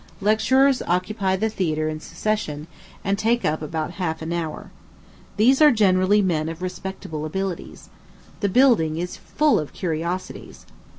Lecturers occupy the theatre in succession, and take up about half an hour. These are generally men of respectable abilities. The building is full of curiosities.